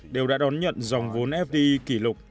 đều đã đón nhận dòng vốn fdi kỷ lục